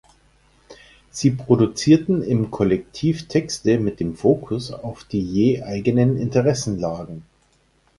Sie produzierten im Kollektiv Texte mit dem Fokus auf die je eigenen Interessenlagen.